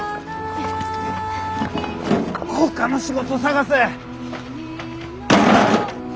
ほかの仕事探せ。